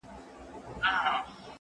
زه پرون انځور وليد،